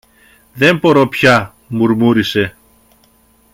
Δεν μπορώ πια, μουρμούρισε.